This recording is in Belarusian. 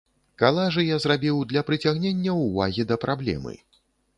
Калажы я зрабіў для прыцягнення ўвагі да праблемы.